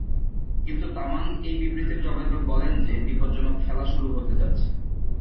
কিন্তু তামাং এই বিবৃতির জবাবে বলেন যে "বিপজ্জনক খেলা শুরু হতে যাচ্ছে"।